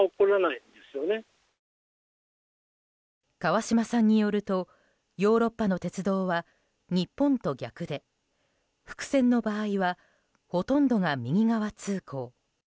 川島さんによるとヨーロッパの鉄道は日本と逆で、複線の場合はほとんどが右側通行。